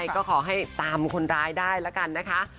ก็ขอให้ตามคนร้ายได้แล้วกันนะคะ